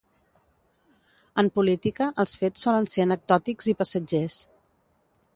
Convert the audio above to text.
En política els fets solen ser anecdòtics i passatgers.